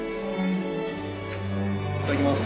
いただきます。